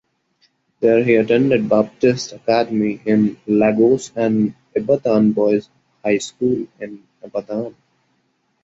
There he attended Baptist Academy in Lagos and Ibadan Boys’ High School in Ibadan.